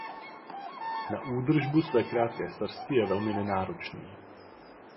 Na údržbu své krátké srsti je velmi nenáročný.